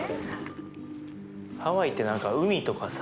ハワイって何か海とかさ